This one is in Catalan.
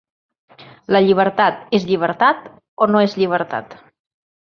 La llibertat és llibertat o no és llibertat.